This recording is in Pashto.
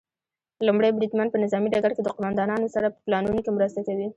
لومړی بریدمن په نظامي ډګر کې د قوماندانانو سره په پلانونو کې مرسته کوي.